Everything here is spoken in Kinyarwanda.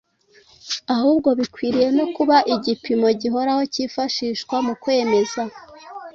ahubwo bikwiriye no kuba igipimo gihoraho cyifashishwa mu kwemeza